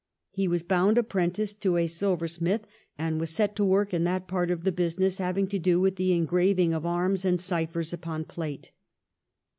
He was bound apprentice to a silver smith, and was set to work in that part of the business having to do with the engraving of arms and ciphers upon plate.